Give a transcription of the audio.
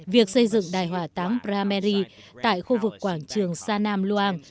việc xây dựng đài hỏa táng prameri tại khu vực quảng trường sa nam luang